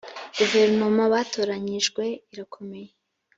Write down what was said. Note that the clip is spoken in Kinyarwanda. guverinoma batoranyijwe irakomeye.